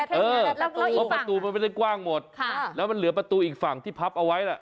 เพราะประตูมันไม่ได้กว้างหมดแล้วมันเหลือประตูอีกฝั่งที่พับเอาไว้ล่ะ